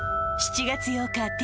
７月８日